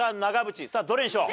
さあどれにしよう？